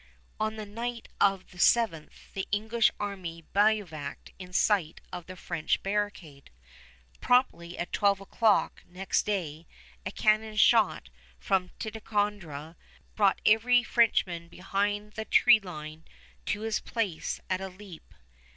On the night of the 7th the English army bivouacked in sight of the French barricade. Promptly at twelve o'clock next day a cannon shot from Ticonderoga brought every Frenchman behind the tree line to his place at a leap.